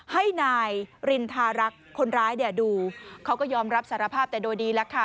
ให้นายรินทารักษ์คนร้ายเนี่ยดูเขาก็ยอมรับสารภาพแต่โดยดีแล้วค่ะ